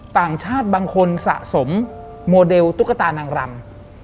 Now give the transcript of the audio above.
ต่างชาติบางคนสะสมโมเดลตุ๊กตานางรำ